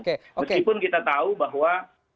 meskipun kita tahu bahwa